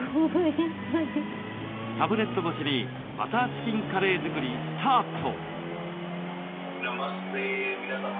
タブレット越しにバターチキンカレー作りスタート！